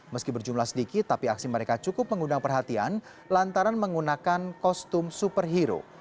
meski berjumlah sedikit tapi aksi mereka cukup mengundang perhatian lantaran menggunakan kostum superhero